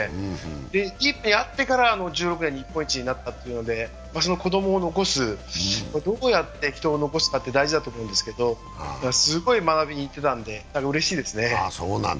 ディープに会ってから、日本一になったということで、子供を残す、どうやって残すかは大事なことなんですけど、すごい学びに行ってたので、うれしいですね。